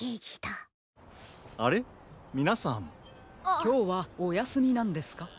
きょうはおやすみなんですか？